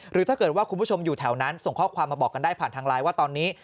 หรือถ้าเกิดว่าคุณผู้ชมอยู่แถวนั้นส่งข้อความมาบอกกันได้ผ่านทางไลน์ว่าตอนนี้